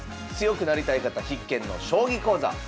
強くなりたい方必見の「将棋講座」。